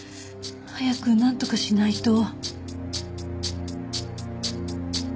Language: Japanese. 早くなんとかしないと。